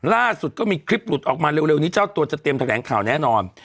ล่าสุดก็มีคลิปหลุดออกมาเร็วนี้เจ้าตัวจะเตรียมแถลงข่าวแน่นอน